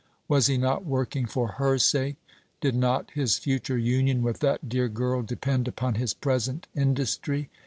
Was he not working for her sake? Did not his future union with that dear girl depend upon his present industry?